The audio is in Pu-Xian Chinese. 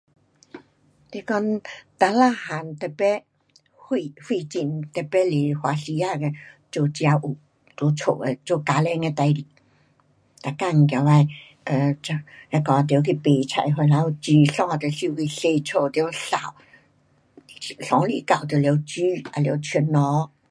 你讲哪一样特别费，费劲特别是花时间的做家务。在家的做家庭的事情，每天起来 um 这得去煮菜回来煮，衣得收去洗，家得扫，三顿到就得煮，还得冲水。